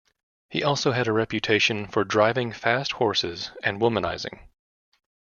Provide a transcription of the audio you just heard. He also had a reputation for driving fast horses, and womanizing.